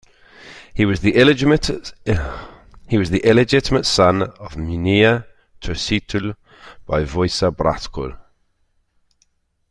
He was the illegitimate son of Mihnea Turcitul by Voica Bratcul.